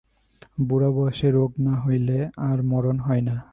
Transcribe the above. বুড়াবয়সে রোগ না হইলে আর মরণ হয় না।